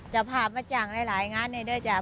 จะพามาจังหลายงานเน่โดยจ้า